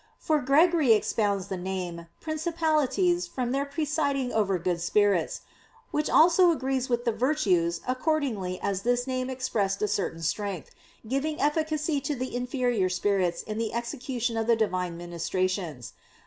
For Gregory expounds the name "Principalities" from their "presiding over good spirits," which also agrees with the "Virtues" accordingly as this name expressed a certain strength, giving efficacy to the inferior spirits in the execution of the Divine ministrations.